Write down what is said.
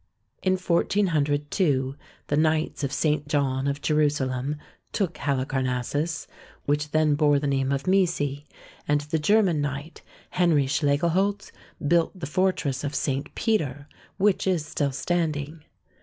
In 1402 the Knights of St. John of Jerusalem took Halicarnassus, which then bore the name of Mecy, and the German knight, Henry Schlegelholt, built the fortress of St. Peter, which is still stand ing.